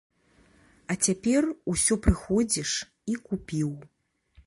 А цяпер усё прыходзіш і купіў.